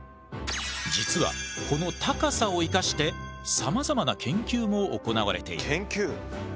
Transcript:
実はこの高さをいかしてさまざまな研究も行われている。